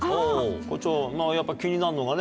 校長やっぱ気になるのがね